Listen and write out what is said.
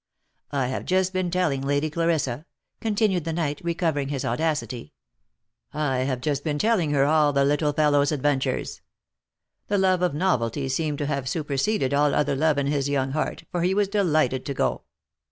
I have just been telling Lady Clarissa," continued the knight, recovering his audacity, " I have just been telling her all the little fellow's adventures. The love of novelty seemed to have su perseded all other love in his young heart, for he was delighted to go."